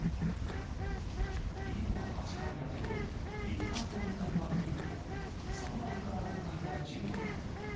ビルは８階建てで、１階と２階は店舗、３階から６階は住居に。